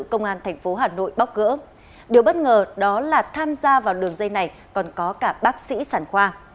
công an thành phố hà nội bóc gỡ điều bất ngờ đó là tham gia vào đường dây này còn có cả bác sĩ sản khoa